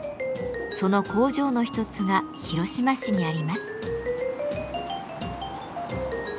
その工場の一つが広島市にあります。